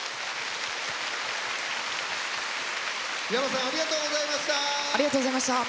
ｙａｍａさんありがとうございました。